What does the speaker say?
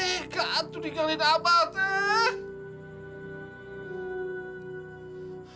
enggak antudikanin abah teh